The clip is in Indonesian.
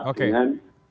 mencari program yang cukup